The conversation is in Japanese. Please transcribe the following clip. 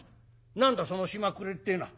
「何だその暇くれっていうのは」。